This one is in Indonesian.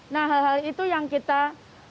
nah hal hal itu yang kita tak dapat